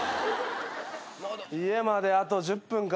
家まであと１０分か。